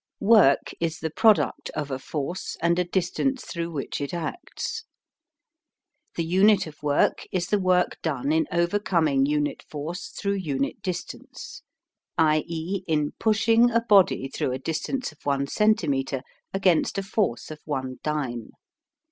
Work is the product of a force and a distance through which it acts. The unit of work is the work done in overcoming unit force through unit distance i e, in pushing a body through a distance of one centimetre against a forch of one dyne.